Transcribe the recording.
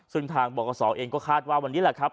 ซึ่งทางบกษอเองก็คาดว่าวันนี้แหละครับ